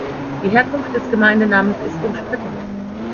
Die Herkunft des Gemeindenamens ist umstritten.